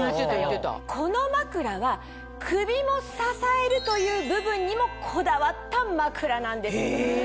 この枕は首も支えるという部分にもこだわった枕なんです。